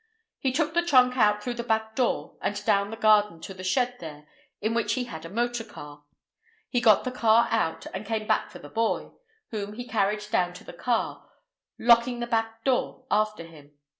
He took the trunk out through the back door and down the garden to the shed there, in which he had a motor car. He got the car out and came back for the boy, whom he carried down to the car, locking the back door after him.